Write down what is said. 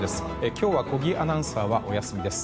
今日は小木アナウンサーはお休みです。